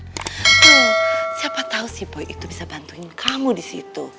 tuh siapa tau si boy itu bisa bantuin kamu disitu